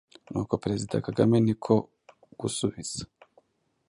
Nuko Perezida Kagame ni ko gusubiza,